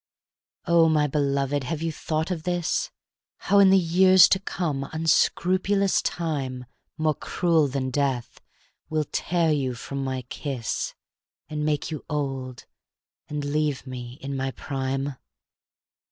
X Oh, my beloved, have you thought of this: How in the years to come unscrupulous Time, More cruel than Death, will tear you from my kiss, And make you old, and leave me in my prime?